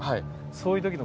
そういうときの。